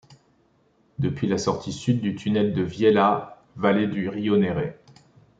Depuis la sortie Sud du tunnel de Vielha, vallée du rio Nere.